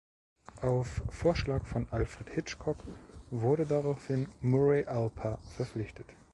Auf Vorschlag von Alfred Hitchcock wurde daraufhin Murray Alper verpflichtet.